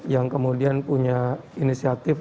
yang kemudian punya inisiatif